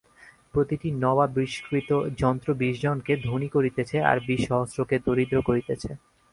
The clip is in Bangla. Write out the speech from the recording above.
প্রতিটি নবাবিষ্কৃত যন্ত্র বিশ জনকে ধনী করিতেছে আর বিশ সহস্রকে দরিদ্র করিতেছে।